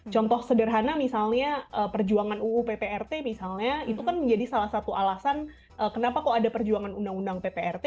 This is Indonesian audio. contoh sederhana misalnya perjuangan uu pprt misalnya itu kan menjadi salah satu alasan kenapa kok ada perjuangan undang undang pprt